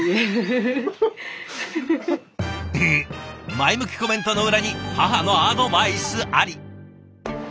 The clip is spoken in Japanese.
前向きコメントの裏に母のアドバイスあり。